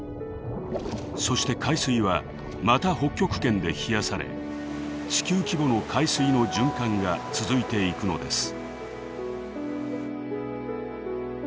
そして海水はまた北極圏で冷やされ地球規模の海水の循環が続いていくのです。